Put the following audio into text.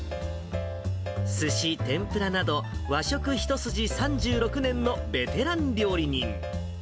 すし、天ぷらなど、和食一筋３６年のベテラン料理人。